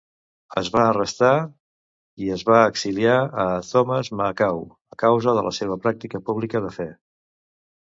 Es va arrestar i es va exiliar a Thomas a Macau a causa de la seva pràctica pública de fé.